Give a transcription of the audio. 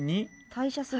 「退社する！！」